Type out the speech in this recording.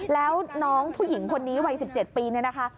แล้วน้องผู้หญิงคนนี้วัย๑๗ปีเนี่ยนะคะ